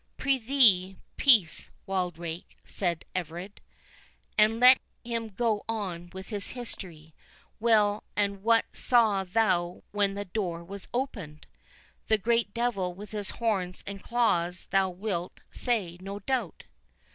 "Prithee, peace, Wildrake," said Everard, "and let him go on with his history.—Well, and what saw'st thou when the door was opened?—the great Devil with his horns and claws thou wilt say, no doubt."